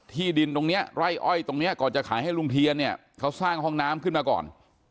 ที่ดินตรงนี้ไร่อ้อยตรงนี้ก่อนจะขายให้ลุงเทียนเนี่ยเขาสร้างห้องน้ำขึ้นมาก่อน